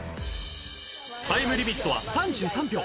［タイムリミットは３３秒］